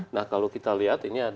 nah kalau kita lihat ini